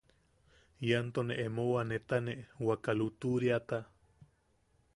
Ian into ne emou a netane waka lutuʼuriata.